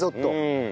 うん。